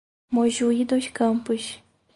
Mojuí dos Campos